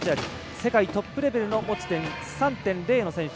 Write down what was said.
世界トップレベルの持ち点３．０の選手